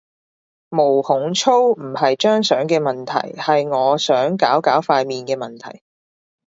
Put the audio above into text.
毛孔粗唔係張相嘅問題，係我想搞搞塊面嘅問題